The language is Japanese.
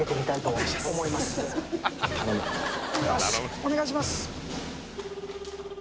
お願いします